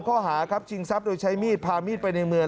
ข้อหาครับชิงทรัพย์โดยใช้มีดพามีดไปในเมือง